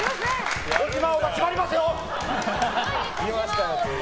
児嶋王が決まりますよ！